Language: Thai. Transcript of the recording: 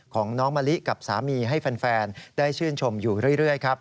ของน้องมะลิกับสามีให้แฟนได้ชื่นชมอยู่เรื่อยครับ